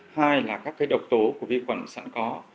hai là các độc tố của vi quẩn sẵn có